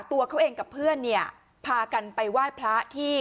ตัวเขาเองกับเพื่อนเนี่ยพากันไปไหว้พระที่